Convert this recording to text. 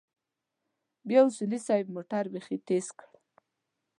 بيا اصولي صيب موټر بيخي تېز کړ.